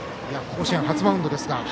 甲子園初マウンドですが。